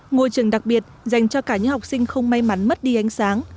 ngôi trường đặc biệt dành cho cả những học sinh không may mắn mất đi ánh sáng